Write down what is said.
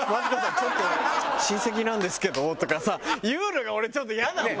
ちょっと親戚なんですけど」とかさ言うのが俺ちょっとイヤだもん。